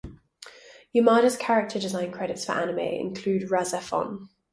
Yamada's character design credits for anime include "RahXephon".